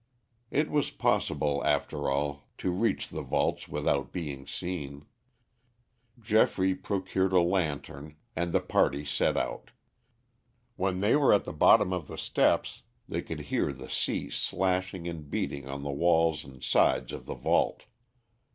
It was possible, after all, to reach the vaults without being seen. Geoffrey procured a lantern and the party set out. When they were at the bottom of the steps they could hear the sea slashing and beating on the walls and sides of the vault.